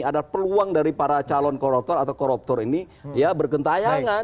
ada peluang dari para calon koruptor atau koruptor ini ya bergentai